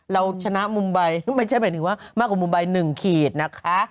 เราชนะมุมใบไม่ใช่หมายถึงว่ามากกว่ามุมใบ๑ขีดนะคะ